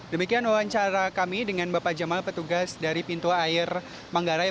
demikian wawancara kami dengan bapak jamal petugas dari pintu air manggarai